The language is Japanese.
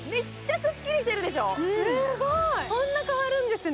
すごーい、こんな変わるんですね